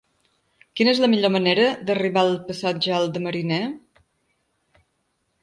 Quina és la millor manera d'arribar al passatge Alt de Mariner?